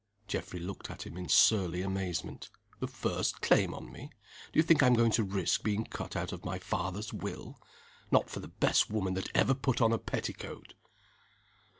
Geoffrey looked at him in surly amazement. "The first claim on me? Do you think I'm going to risk being cut out of my father's will? Not for the best woman that ever put on a petticoat!"